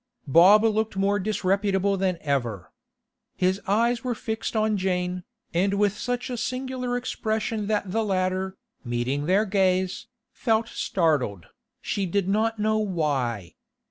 Bob looked more disreputable than ever. His eyes were fixed on Jane, and with such a singular expression that the latter, meeting their gaze, felt startled, she did not know why.